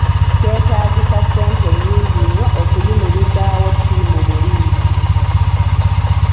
Kyetaagisa ssente nyingi nnyo okuyimirizaawo ttiimu mu liigi.